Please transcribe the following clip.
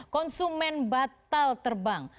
konsumen batal terbang